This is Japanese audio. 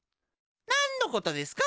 なんのことですか？